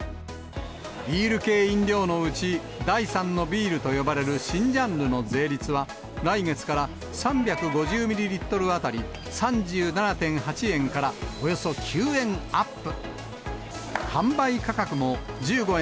ビール系飲料のうち、第３のビールと呼ばれる新ジャンルの税率は、来月から３５０ミリリットル当たり、３７．８円からおよそ９円アップ。